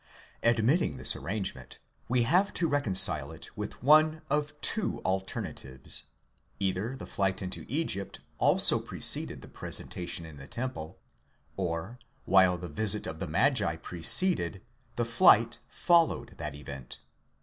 Admit ting this arrangement, we have to reconcile it with one of two alternatives ; either the flight into Egypt also preceded the presentation in the temple ; or, while the visit of the magi preceded, the flight followed that event.